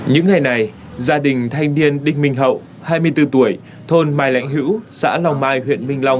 những ngày này gia đình thanh niên đinh minh hậu hai mươi bốn tuổi thôn mai lãnh hữu xã long mai huyện minh long